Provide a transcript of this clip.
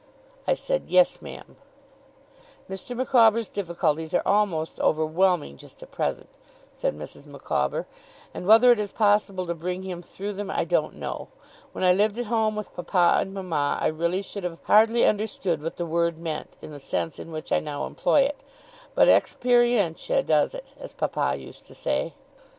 I said: 'Yes, ma'am.' 'Mr. Micawber's difficulties are almost overwhelming just at present,' said Mrs. Micawber; 'and whether it is possible to bring him through them, I don't know. When I lived at home with papa and mama, I really should have hardly understood what the word meant, in the sense in which I now employ it, but experientia does it, as papa used to say.